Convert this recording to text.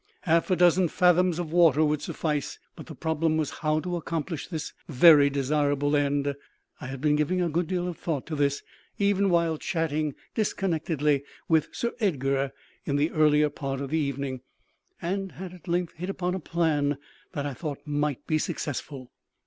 Half a dozen fathoms of water would suffice; but the problem was how to accomplish this very desirable end. I had been giving a good deal of thought to this, even while chatting disconnectedly with Sir Edgar in the earlier part of the evening, and had at length hit upon a plan that I thought might be successful.